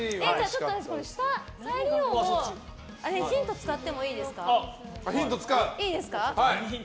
ちょっと下、再利用のヒント使ってもいいですか？